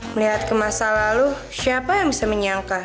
melihat ke masa lalu siapa yang bisa menyangka